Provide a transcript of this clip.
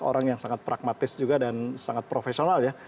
orang yang sangat pragmatis juga dan sangat profesional ya